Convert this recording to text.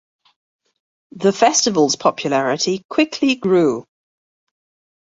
The festival's popularity quickly grew.